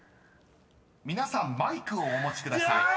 ［皆さんマイクをお持ちください］